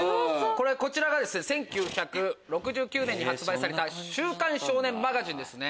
こちらが１９６９年に発売された『週刊少年マガジン』ですね。